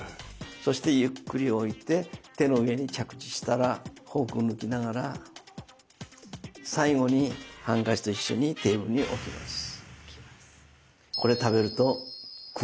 そしてゆっくり置いて手の上に着地したらフォークを抜きながら最後にハンカチと一緒にテーブルに置きます。